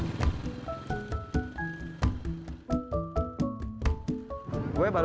mas sebelumnya tuh udin presence gue